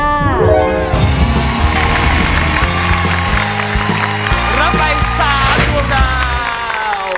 รับไป๓ดวงดาว